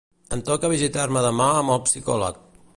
Em toca visitar-me demà amb el psicòleg.